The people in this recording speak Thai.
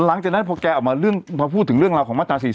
หลังจากนั้นพอแกออกมาพอพูดถึงเรื่องราวของมาตรา๔๔